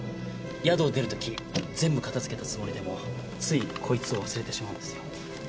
宿を出る時全部片付けたつもりでもついこいつを忘れてしまうんですよ。